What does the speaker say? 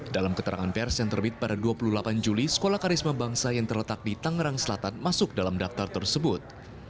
dalam keterangan pers yang terbit pada dua puluh delapan juli sekolah karisma bangsa yang terletak di tangerang selatan masuk dalam daftar tersebut